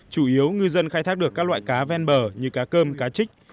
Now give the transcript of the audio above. chủ yếu ngư dân khai thác được các loại cá ven bờ như cá cơm cá trích